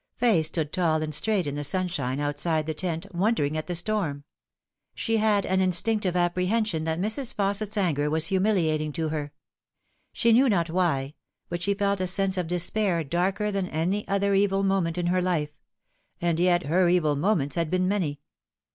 Fay stood tall and straight in the sunshine outside the tent, wondering at the storm. She had an instinctive apprehension that Mrs. Fausset's anger was humiliating to her. She knew not why, but she felt a sense of despair darker than any other evil moment in her life ; and yet her evil moments had been many.